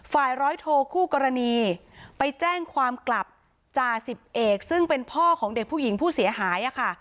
ร้อยโทคู่กรณีไปแจ้งความกลับจ่าสิบเอกซึ่งเป็นพ่อของเด็กผู้หญิงผู้เสียหายค่ะ